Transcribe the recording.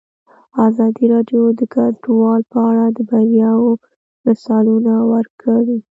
ازادي راډیو د کډوال په اړه د بریاوو مثالونه ورکړي.